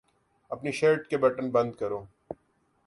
اپنی شرٹ کے بٹن بند کرو